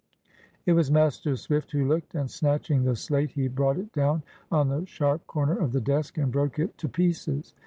It was Master Swift who looked, and snatching the slate he brought it down on the sharp corner of the desk, and broke it to pieces.